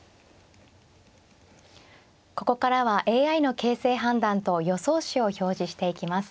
ここからはＡＩの形勢判断と予想手を表示していきます。